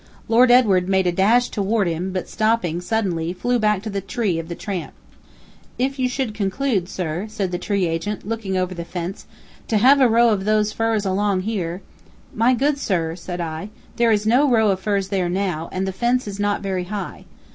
Lord Edward made a dash toward him; but, stopping suddenly, flew back to the tree of the tramp. "If you should conclude, sir," said the tree agent, looking over the fence, "to have a row of those firs along here " "My good sir," said I, "there is no row of firs there now, and the fence is not very high.